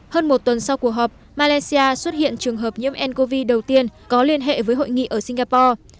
hơn một tuần sau cuộc họp malaysia xuất hiện trường hợp nhiễm ncov đầu tiên có liên hệ với hội nghị ở singapore